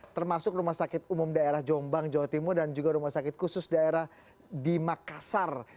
termasuk rumah sakit umum daerah jombang jawa timur dan juga rumah sakit khusus daerah di makassar